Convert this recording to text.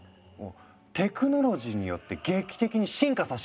テクノロジーによって劇的に進化させ